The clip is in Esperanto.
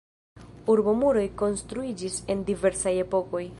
Urbomuroj konstruiĝis en diversaj epokoj.